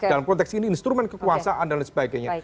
dalam konteks ini instrumen kekuasaan dan lain sebagainya